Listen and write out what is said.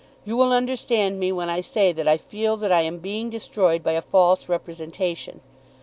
You will understand me when I say that I feel that I am being destroyed by a false representation.